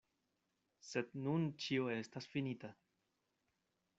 Sed nun ĉio estas finita.